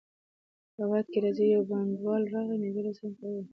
روایت کي راځي: يو بانډَوال راغی، نبي عليه السلام ته ئي وويل